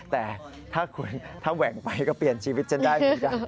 แต่ถ้าแหว่งไปก็เปลี่ยนชีวิตฉันได้เหมือนกัน